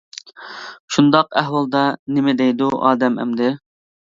شۇنداق ئەھۋالدا نېمە دەيدۇ ئادەم ئەمدى.